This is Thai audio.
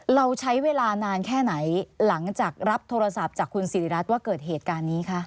เราใช้เวลานานแค่ไหนหลังจากรับโทรศัพท์จากคุณสิริรัตน์ว่าเกิดเหตุการณ์นี้คะ